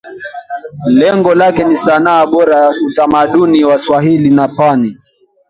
Lengo lake ni sanaa bora ya utamaduni wa Swahili na pwani